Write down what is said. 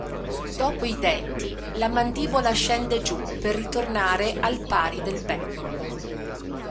Dopo i denti, la mandibola scende giù per ritornare al pari del becco.